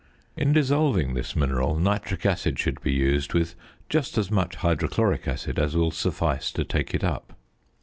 In dissolving this mineral nitric acid should be used, with just as much hydrochloric acid as will suffice to take it up.